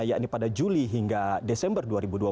yakni pada juli hingga desember dua ribu dua puluh